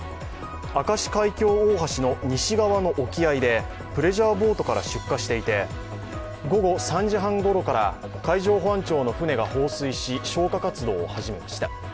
明石海峡大橋の西側の沖合で、プレジャーボートから出火していて、午後３時半ごろから海上保安庁の船が放水し消火活動を始めました。